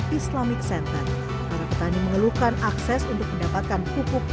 kemudian saya juga bisa mengalami aspirasi bahwa masyarakat di sini memiliki pupuk untuk murah dan pupuk mudah hidup